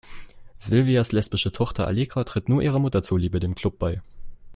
Sylvias lesbische Tochter Allegra tritt nur ihrer Mutter zuliebe dem Club bei.